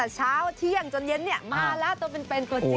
แต่เช้าเที่ยงจนเย็นมาแล้วตัวเป็นเป็นคนจริงค่ะ